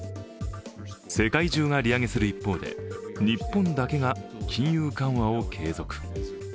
世界中が利上げする一方で日本だけが金融緩和を継続。